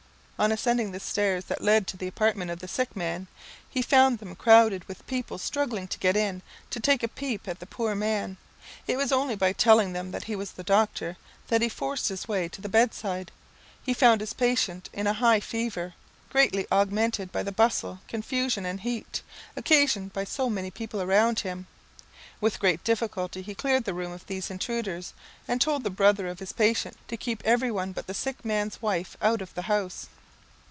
On ascending the stairs that led to the apartment of the sick man, he found them crowded with people struggling to get in, to take a peep at the poor man. It was only by telling them that he was the doctor, that he forced his way to the bedside. He found his patient in a high fever, greatly augmented by the bustle, confusion, and heat, occasioned by so many people round him. With great difficulty he cleared the room of these intruders, and told the brother of his patient to keep every one but the sick man's wife out of the house.